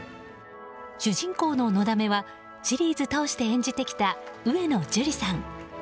主人公ののだめはシリーズ通して演じてきた上野樹里さん。